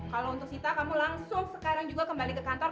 kalau untuk sita kamu langsung sekarang juga kembali ke kantor